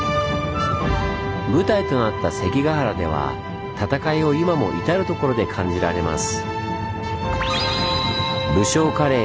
舞台となった関ケ原では戦いを今も至る所で感じられます。